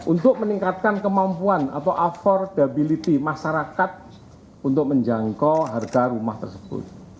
untuk meningkatkan kemampuan atau affordability masyarakat untuk menjangkau harga rumah tersebut